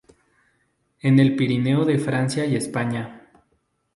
En el Pirineo en Francia y España.